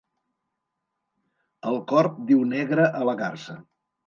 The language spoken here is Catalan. El corb diu negra a la garsa.